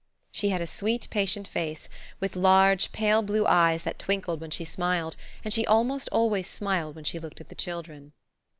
She had a sweet, patient face, with large, pale blue eyes that twinkled when she smiled, and she almost always smiled when she looked at the children.